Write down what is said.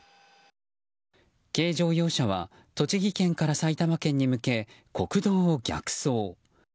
軽乗用車は栃木県から埼玉県に向け国道を逆走。